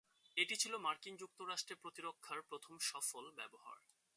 এটি ছিল মার্কিন যুক্তরাষ্ট্রে প্রতিরক্ষার প্রথম সফল ব্যবহার।